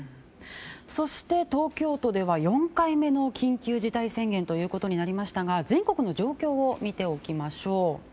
そして、東京都では４回目の緊急事態宣言となりましたが全国の状況を見ておきましょう。